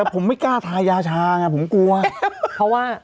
ผมกลัวเพราะว่า